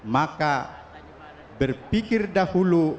maka berpikir dahulu